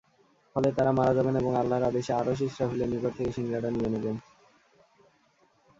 ফলে তারা মারা যাবেন এবং আল্লাহর আদেশে আরশ ইসরাফীলের নিকট থেকে শিঙ্গাটা নিয়ে নেবেন।